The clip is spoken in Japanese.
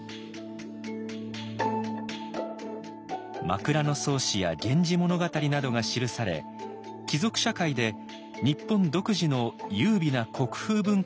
「枕草子」や「源氏物語」などが記され貴族社会で日本独自の優美な国風文化が花開いた頃。